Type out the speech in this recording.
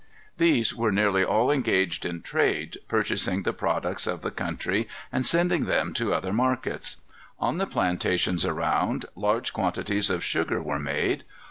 These were nearly all engaged in trade, purchasing the products of the country and sending them to other markets. On the plantations around, large quantities of sugar were made.